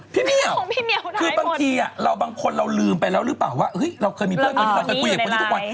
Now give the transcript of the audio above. พี่เภียลคือบางทีว่าบางคนเราลืมไปแล้วหรือเปล่าว่าเราก็เคยไปกับคนในไลน์